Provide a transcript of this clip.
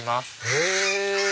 へぇ。